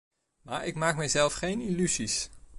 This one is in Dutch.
Maar ik maak mijzelf geen illusies.